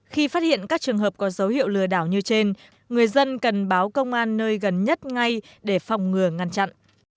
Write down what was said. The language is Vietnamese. khi phát hiện các trường hợp có dấu hiệu lừa đảo như trên người dân cần báo công an nơi gần nhất ngay để phòng ngừa ngăn chặn